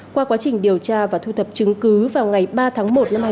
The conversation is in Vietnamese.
qua quá trình điều tra và thu thập chứng cứ vào ngày ba tháng một năm hai nghìn hai mươi